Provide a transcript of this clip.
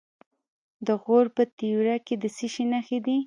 د غور په تیوره کې د څه شي نښې دي؟